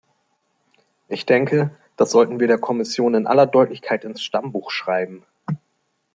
Ich denke, das sollten wir der Kommission in aller Deutlichkeit ins Stammbuch schreiben.